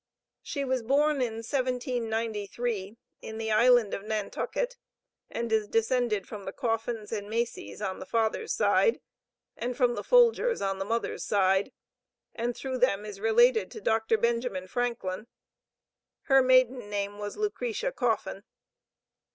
She was born in 1793, in the island of Nantucket, and is descended from the Coffins and Macys, on the father's side, and from the Folgers, on the mother's side, and through them is related to Dr. Benjamin Franklin. Her maiden name was Lucretia Coffin.